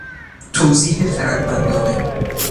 توضیح خردمندانه